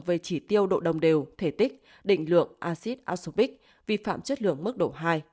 về chỉ tiêu độ đồng đều thể tích định lượng acid asopic vi phạm chất lượng mức độ hai